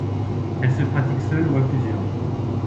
Elle se pratique seul ou à plusieurs.